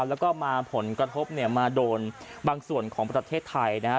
แล้วก็มาผลกระทบเนี่ยมาโดนบางส่วนของประเทศไทยนะฮะ